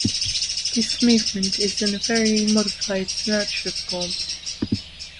This movement is in a very modified sonata form.